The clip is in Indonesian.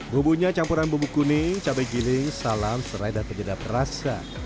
bumbunya campuran bumbu kuning cabai giling salam serai dan penyedap rasa